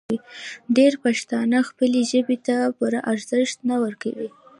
ډېری پښتانه خپلې ژبې ته پوره ارزښت نه ورکوي.